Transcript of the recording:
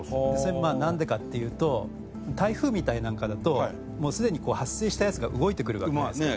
なんでかっていうと台風みたいなんかだとすでに発生したやつが動いてくるわけじゃないですか。